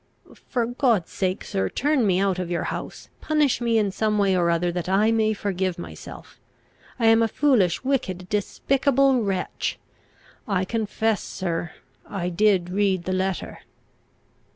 "For God's sake, sir, turn me out of your house. Punish me in some way or other, that I may forgive myself. I am a foolish, wicked, despicable wretch. I confess, sir, I did read the letter."